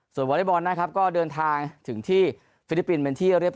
ส่วนวอเล็กบอลนะครับก็เดินทางถึงที่ฟิลิปปินส์เป็นที่เรียบ